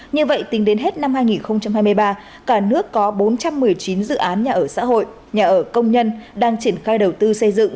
như vậy tính đến hết năm hai nghìn hai mươi ba cả nước có bốn trăm một mươi chín dự án nhà ở xã hội nhà ở công nhân đang triển khai đầu tư xây dựng